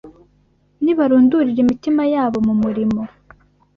Nibarundurira imitima yabo mu murimo